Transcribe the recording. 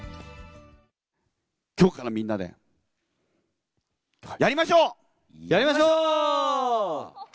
きょうからみんなで、やりましょう！